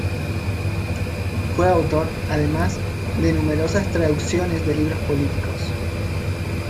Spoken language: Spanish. Fue autor, además, de numerosas traducciones de libros políticos.